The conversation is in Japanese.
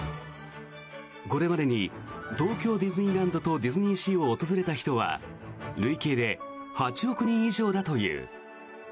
これまでに東京ディズニーランドとディズニーシーを訪れた人は累計で８億人以上だという。